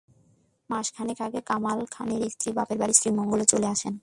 মাস খানেক আগে কামাল খানের স্ত্রী বাপের বাড়ি শ্রীমঙ্গলে চলে আসেন।